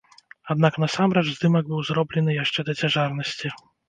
Аднак насамрэч здымак быў зроблены яшчэ да цяжарнасці.